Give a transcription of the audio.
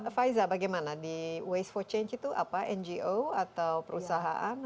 faiza bagaimana di waste for change itu apa ngo atau perusahaan